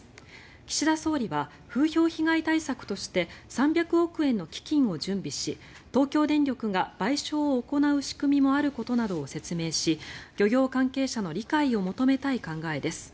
岸田総理は風評被害対策として３００億円の基金を準備し東京電力が賠償を行う仕組みもあることなどを説明し漁業関係者の理解を求めたい考えです。